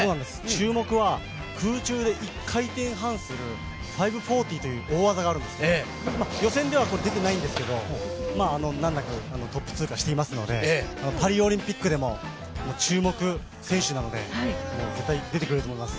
注目は空中で１回転半する５４０という大技があるんですけど予選では出ていないんですけど難なくトップ通過していますのでパリオリンピックでも注目選手なので、絶対出てくると思います。